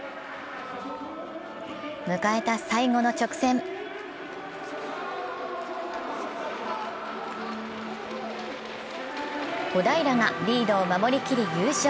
迎えた最後の直線小平がリードを守り切り優勝。